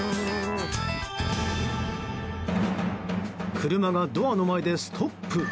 車がドアの前でストップ。